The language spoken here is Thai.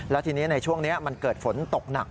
และทีนี้ในช่วงนี้มันเกิดฝนตกหนัก